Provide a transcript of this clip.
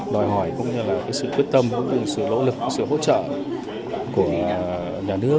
đòi hỏi cũng như là sự quyết tâm cũng như sự lỗ lực sự hỗ trợ của nhà nước